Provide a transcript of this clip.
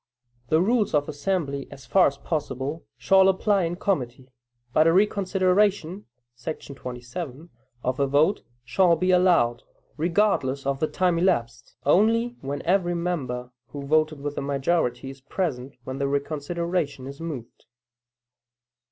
The rules of the assembly, as far as possible, shall apply in committee; but a reconsideration [§ 27] of a vote shall be allowed, regardless of the time elapsed, only when every member who voted with the majority is present when the reconsideration is moved.